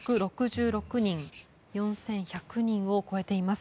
４１００人を超えています。